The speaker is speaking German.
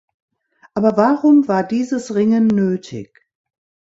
Aber warum war dieses Ringen nötig?